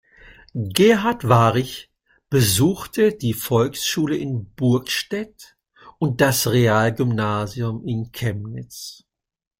Gerhard Wahrig besuchte die Volksschule in Burgstädt und das Realgymnasium in Chemnitz.